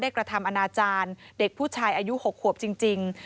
กระทำอนาจารย์เด็กผู้ชายอายุ๖ขวบจริง